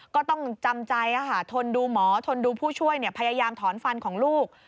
ก็ต้องจำใจทนดูหมอทนดูผู้ช่วยพยายามถอนฟันของลูก